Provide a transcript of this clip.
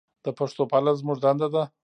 د پښتو پالل زموږ دنده ده.